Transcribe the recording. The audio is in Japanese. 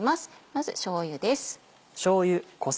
まずしょうゆです。